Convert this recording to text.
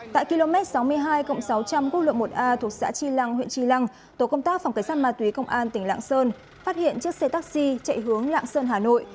tại km sáu mươi hai sáu trăm linh quốc lộ một a thuộc xã tri lăng huyện tri lăng tổ công tác phòng cảnh sát ma túy công an tỉnh lạng sơn phát hiện chiếc xe taxi chạy hướng lạng sơn hà nội